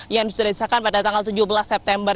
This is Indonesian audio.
yang sudah disahkan pada tanggal tujuh belas september